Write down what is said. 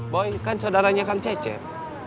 boy kan saudaranya kan cecep